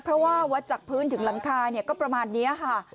เพราะว่าวัดจากพื้นถึงหลังคาก็ประมาณนี้ค่ะ